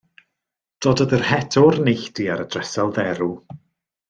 Dododd yr het o'r neilltu ar y dresel dderw.